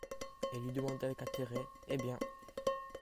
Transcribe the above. Elle lui demandait avec intérêt: Eh bien